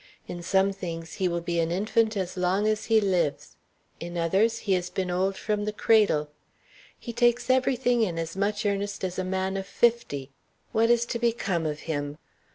In some things he will be an infant as long as he lives; in others, he has been old from the cradle. He takes every thing in as much earnest as a man of fifty. What is to become of him?"